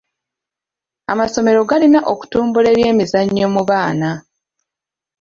Amasomero galina okutumbula ebyemizannyo mu baana.